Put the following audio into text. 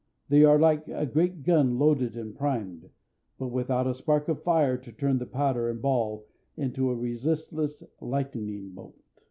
They are like a great gun loaded and primed, but without a spark of fire to turn the powder and ball into a resistless lightning bolt.